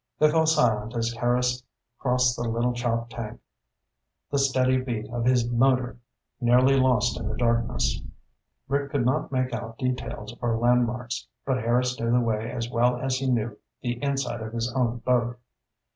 They fell silent as Harris crossed the Little Choptank, the steady beat of his motor nearly lost in the darkness. Rick could not make out details or landmarks, but Harris knew the way as well as he knew the inside of his own boat.